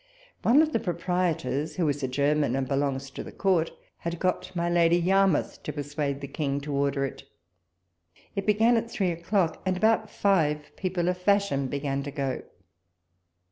One of the proprietors, WALPOLE S LETTEUS. 0/ who is a German, and belongs to Court, had got my Lady Yarmouth to persuade the King to order it. It began at three o'clock, and, about live, people of iashion began to go.